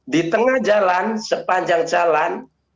di tengah jalan sepanjang jalan